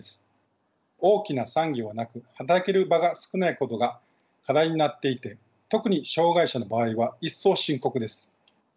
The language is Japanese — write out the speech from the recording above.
大きな産業はなく働ける場が少ないことが課題になっていて特に障害者の場合は一層深刻です。